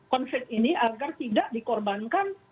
konflik ini agar tidak dikorbankan